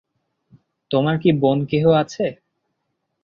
তোমার কি বোন কেহ আছে?